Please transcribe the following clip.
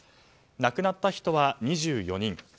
亡くなった人は２４人。